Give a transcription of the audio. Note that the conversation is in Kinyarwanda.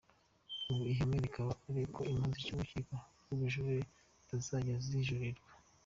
Ubu ihame rikaba ari uko “imanza ziciwe n’Urukiko rw’Ubujurire zitazajya zijuririrwa”.